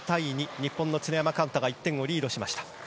日本の常山幹太が１点リードしました。